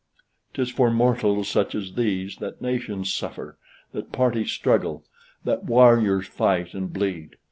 'Tis for mortals such as these that nations suffer, that parties struggle, that warriors fight and bleed.